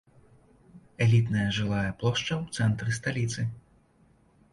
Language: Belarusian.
Элітная жылая плошча ў цэнтры сталіцы.